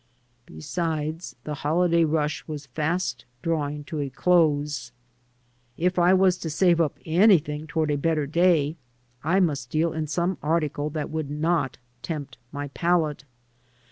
Besides, the holiday rush was fast drawing to a close. If I was to save up anything toward a better day, I must deal in some article that would not tempt my palate.